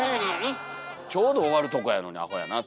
ちょうど終わるとこやのにアホやなと。